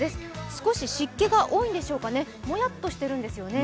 少し湿気が多いんでしょうかねもやっとしているんですよね。